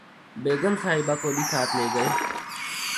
بیگم صاحبہ کو بھی ساتھ لے گئے